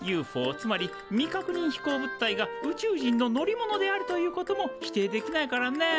つまり未確認飛行物体が宇宙人の乗り物であるということも否定できないからね。